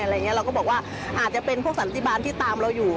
เราก็บอกว่าอาจจะเป็นพวกสันติบาลที่ตามเราอยู่